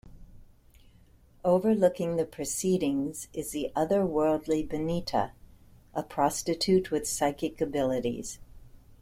Overlooking the proceedings is the otherworldly Benita, a prostitute with psychic abilities.